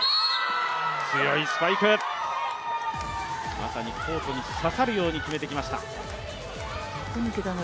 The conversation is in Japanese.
強いスパイク、まさにコートに刺さるように決めてきました。